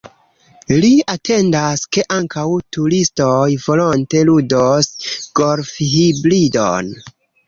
Li atendas, ke ankaŭ turistoj volonte ludos golfhibridon.